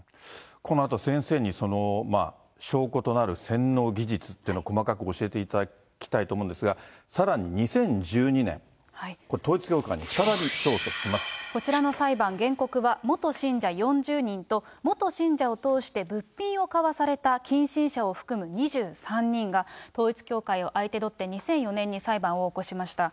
このあと先生に、証拠となる洗脳技術っていうのを細かく教えていただきたいと思うんですが、さらに２０１２年、これ、こちらの裁判、原告は元信者４０人と、元信者を通して物品を買わされた近親者を含む２３人が、統一教会を相手取って、２００４年に裁判を起こしました。